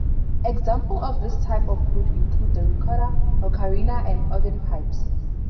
Examples of this type of flute include the recorder, ocarina, and organ pipes.